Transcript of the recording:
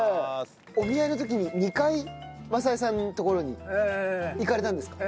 お見合いの時に２回政江さんのところに行かれたんですか？